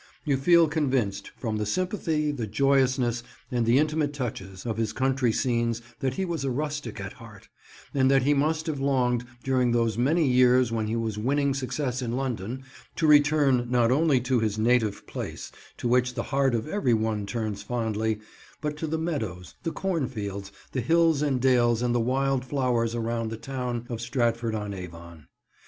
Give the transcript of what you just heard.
You feel convinced, from the sympathy, the joyousness, and the intimate touches, of his country scenes that he was a rustic at heart, and that he must have longed, during those many years when he was winning success in London, to return not only to his native place—to which the heart of every one turns fondly—but to the meadows, the cornfields, the hills and dales and the wild flowers around the town of Stratford on Avon.